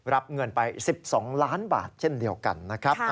รับเงินไป๑๒ล้านบาทเช่นเดียวกันนะครับ